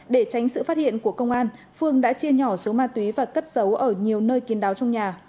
để tránh sự phát hiện của công an phương đã chia nhỏ số ma túy và cất giấu ở nhiều nơi kiến đáo trong nhà